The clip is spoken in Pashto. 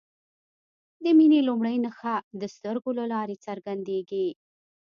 د مینې لومړۍ نښه د سترګو له لارې څرګندیږي.